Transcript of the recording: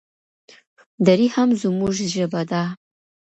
دري هم زموږ ژبه ده.